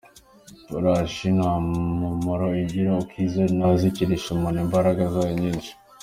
Ifarashi nta mumaro igira wo gukiza, Ntizakirisha umuntu imbaraga zayo nyinshi.